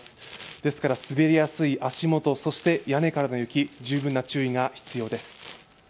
ですから滑りやすい足元、そして屋根からの雪、十分な注意が必要です。